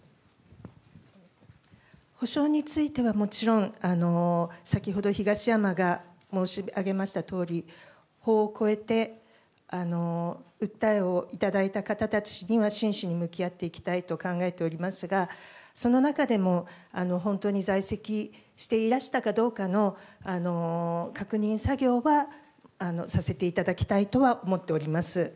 補償についてはもちろん、先ほど東山が申し上げましたとおり、法を超えて、訴えを頂いた方たちには真摯に向き合っていきたいと考えておりますが、その中でも、本当に在籍していらしたかどうかの確認作業はさせていただきたいとは思っております。